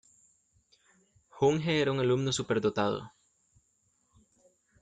Junge era un alumno superdotado.